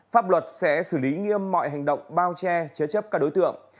pháp luật sẽ xử lý nghiêm mọi hành động bao che chế chấp các đối tượng